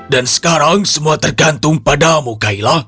dan sekarang semua tergantung padamu kayla